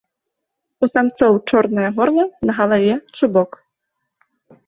У самцоў чорнае горла, на галаве чубок.